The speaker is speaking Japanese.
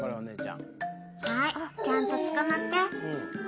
はい、ちゃんとつかまって。